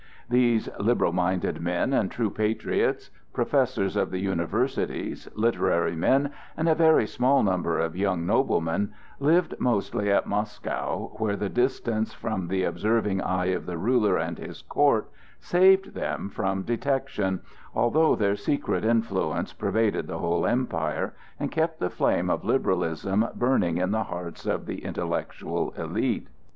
These liberal minded men and true patriots—professors of the universities, literary men, and a very small number of young noblemen—lived mostly at Moscow, where the distance from the observing eye of the ruler and his court saved them from detection, although their secret influence pervaded the whole empire, and kept the flame of liberalism burning in the hearts of the intellectual élite.